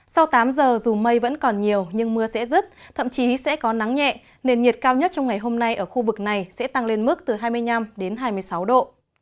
sau tám giờ dù mây vẫn còn nhiều nhưng mưa sẽ rứt thậm chí sẽ có nắng nhẹ nền nhiệt cao nhất trong ngày hôm nay ở khu vực này sẽ tăng lên mức từ hai mươi năm đến hai mươi sáu độ